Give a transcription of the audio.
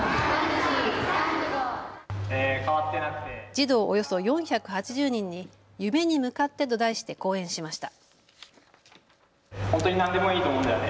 児童およそ４８０人に夢に向かってと題して講演しました。